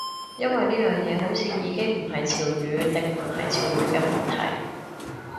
因為呢樣嘢好似已經唔係潮語定唔係潮語嘅問題